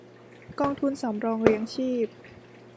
กองทุนสำรองเลี้ยงชีพ